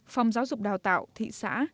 phòng giáo dục đào tạo thị xã